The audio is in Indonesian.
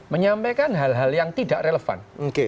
menyampaikan hal hal yang tidak relevan